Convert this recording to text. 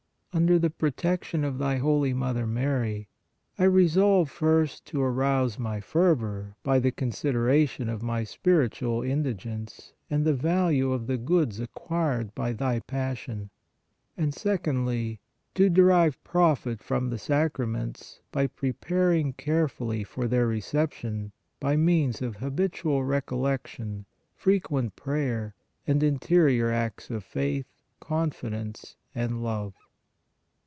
Under the protection of Thy holy Mother Mary, I resolve, first, to arouse my fervor by the consideration of my spiritual in digence and the value of the goods acquired by Thy Passion, and secondly, to derive profit from the sacraments by preparing carefully for their recep tion by means of habitual recollection, frequent prayer and interior acts of faith, confidence and love.